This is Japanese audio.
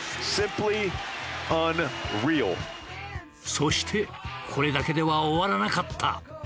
そしてこれだけでは終わらなかった。